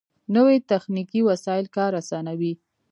نوې تخنیکي وسایل کار آسانوي